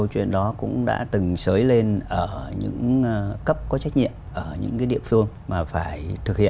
không có cách nào khác